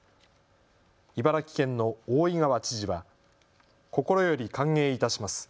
茨城県の大井川知事は心より歓迎いたします。